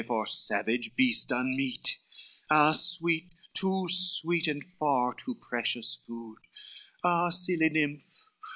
for savage beast unmeet, Ah sweet! too sweet, and far too precious food, Ah, seely nymph!